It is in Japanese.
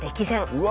うわ。